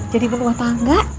jadi belum apa apa enggak